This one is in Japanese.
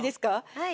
はい。